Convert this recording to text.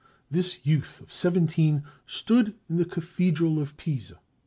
_] In 1581, this youth of seventeen stood in the cathedral of Pisa.